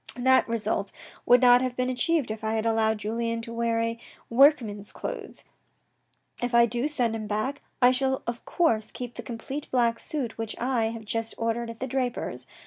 That result would not have been achieved if I had allowed Julien to wear a workman's clothes. If I do send him back, I shall of course keep the complete black suit which I have just ordered at the draper's.